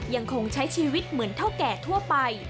ยังคงใช้ชีวิตเหมือนเท่าแก่ทั่วไป